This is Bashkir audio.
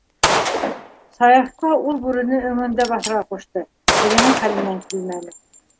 Саяфҡа ул бүрене өңөндә баҫырға ҡушты, тегенең хәленән килмәне.